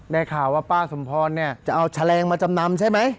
ได้ข่าวว่าป้าสมพรเนี่ยจะเอาแฉลงมาจำนำใช่ไหม